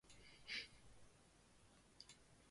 无话可说语录图片技术学院